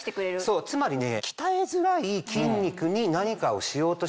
そうつまりね。